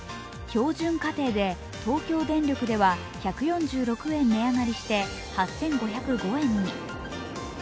標準家庭で東京電力では１４６円値上がりして８５０５円に。